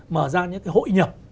mở ra những hội nhập